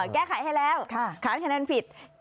แก้ไขให้แล้วขานคะแนนผิด